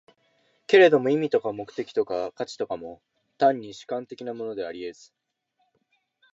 けれども意味とか目的とか価値とかも、単に主観的なものであり得ず、